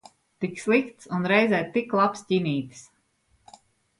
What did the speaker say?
Tik slikts un reizē tik labs ķinītis.